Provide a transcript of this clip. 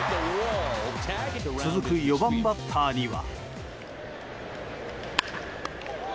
続く４番バッターには。